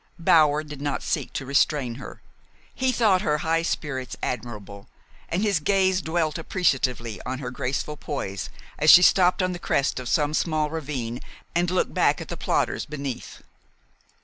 Bower did not seek to restrain her. He thought her high spirits admirable, and his gaze dwelt appreciatively on her graceful poise as she stopped on the crest of some small ravine and looked back at the plodders beneath.